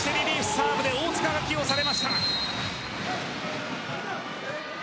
サーバーで大塚が起用されました。